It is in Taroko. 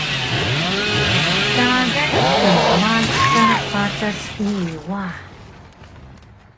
tagay knmalu ka patas nii wah!